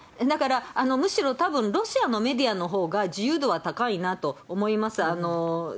だから、むしろたぶん、ロシアのメディアのほうが自由度は高いなと思います。